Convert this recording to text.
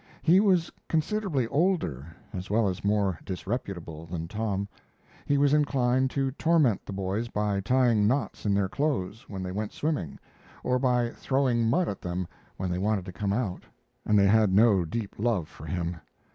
He was considerably older, as well as more disreputable, than Tom. He was inclined to torment the boys by tying knots in their clothes when they went swimming, or by throwing mud at them when they wanted to come out, and they had no deep love for him.